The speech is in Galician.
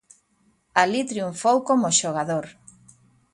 Alí triunfou como xogador.